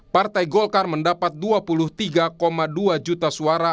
partai golkar mendapat dua puluh tiga dua juta suara